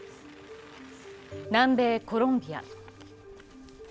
南米コロンビア。